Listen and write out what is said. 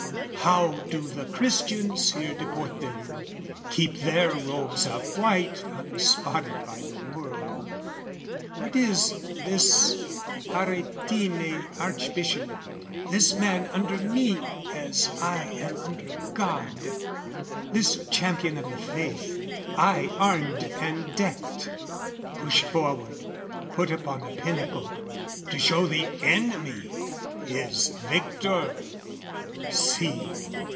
How do the Christians here deport them, keep Their robes of white unspotted by the world? What is this Aretine Archbishop, this Man under me as I am under God, This champion of the faith, I armed and decked, Pushed forward, put upon a pinnacle, To show the enemy his victor, see!